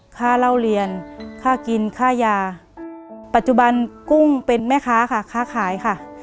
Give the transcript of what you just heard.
ค่าเล่าเรียนค่ากินค่ายาปัจจุบันกุ้งเป็นแม่ค้าค่ะค่าขายค่ะ